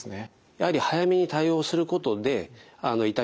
やはり早めに対応することで痛みが改善してですね